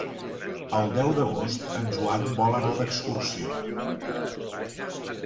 El deu d'agost en Joan vol anar d'excursió.